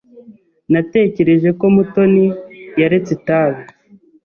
Natekereje ko Mutoni yaretse itabi.